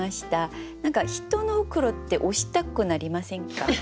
何か人の黒子って押したくなりませんか？